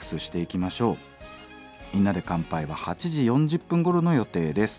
「みんなで乾杯」は８時４０分ごろの予定です。